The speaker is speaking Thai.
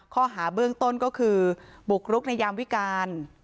ข้อหาเบื้องต้นก็คือบุกรุกในยามวิการ